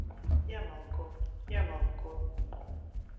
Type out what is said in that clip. Iemalko. Iemalko.